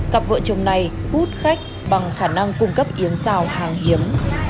cặp vợ chồng này hút khách bằng khả năng cung cấp yến xào hàng hiếm